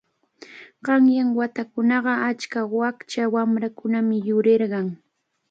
Qanyan watakunakuna achka wakcha wamrakunami yurirqan.